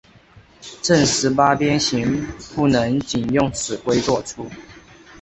正十八边形不能仅用尺规作出。